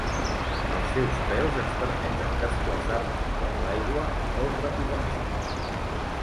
Els seus peus ens permeten desplaçar-nos per l'aigua molt ràpidament.